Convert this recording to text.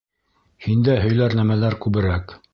Һиндә һөйләр нәмәләр күберәк.